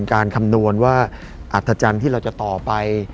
คำนวณว่าอัธจันทร์ที่เราจะต่อไป